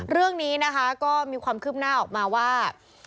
เรื่องนี้นะคะก็มีความคืบหน้าออกมาว่า